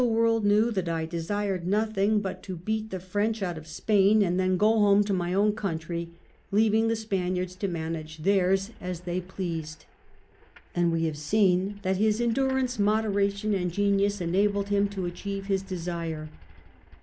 world know that I desired nothing but to beat the VIII FIVE YEARS* TOILS AND TRIUMPHS 199 French out of Spain, and then go home to my own country, leaving the Spaniards to manage theirs as they pleased." And we have seen that his endurance, mod eration, and genius enabled him to achieve his desire.